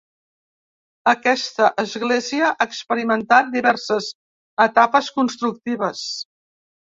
Aquesta església ha experimentat diverses etapes constructives.